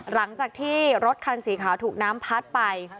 หลังจากที่รถคันสีขาวถูกน้ำพัดไป